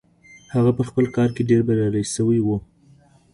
هغه په خپل کار کې ډېر بريالي شوی و.